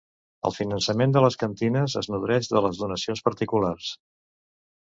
El finançament de les cantines es nodreix de les donacions particulars.